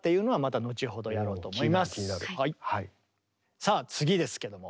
さあ次ですけども。